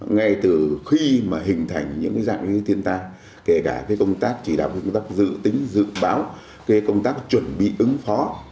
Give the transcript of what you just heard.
ngay từ khi mà hình thành những dạng thiên tai kể cả công tác chỉ đạo công tác dự tính dự báo công tác chuẩn bị ứng phó